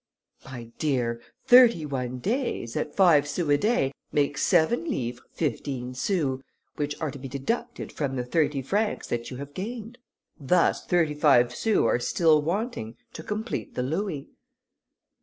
"My dear! thirty one days, at five sous a day, make seven livres fifteen sous, which are to be deducted from the thirty francs that you have gained. Thus thirty five sous are still wanting to complete the louis."